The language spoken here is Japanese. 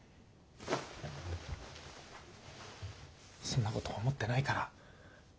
そんなこと思ってないから。